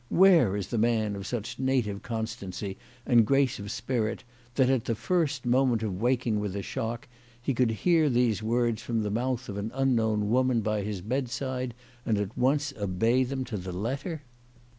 Where is the man of such native constancy and grace of spirit that, at the first moment of waking with a shock, he could hear these words from the mouth of an unknown woman by his bedside, and at once obey them to the letter